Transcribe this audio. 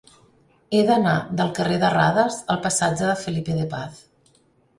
He d'anar del carrer de Radas al passatge de Felipe de Paz.